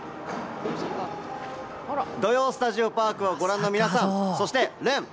「土曜スタジオパーク」をご覧の皆さん、そして廉！